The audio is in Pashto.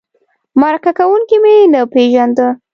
مرکه کوونکی مې نه پېژنده.